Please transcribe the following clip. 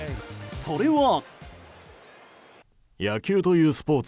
それは。